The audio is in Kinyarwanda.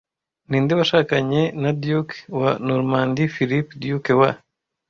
Ninde washakanye na Duke wa Normandy Philip Duke wa